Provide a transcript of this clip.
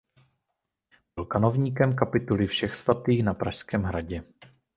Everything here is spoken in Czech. Byl kanovníkem kapituly Všech svatých na pražském hradě.